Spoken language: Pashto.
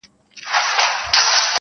یو د بل په وینو پايي او پړسېږي-